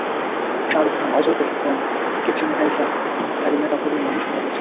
শাহরুখ খান, অজয় দেবগন, ক্যাটরিনা কাইফা, কারিনা কাপুরের নামও শোনা গিয়েছিল।